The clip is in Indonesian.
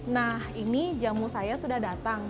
nah ini jamu saya sudah datang